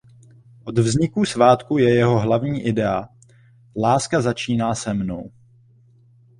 Od vzniku svátku je jeho hlavní idea "„Láska začíná se mnou“".